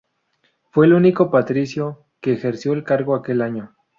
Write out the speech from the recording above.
Fue el único patricio que ejerció el cargo aquel año.